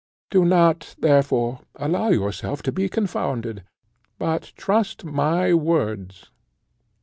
Do not, therefore, allow yourself to be confounded, but trust my words.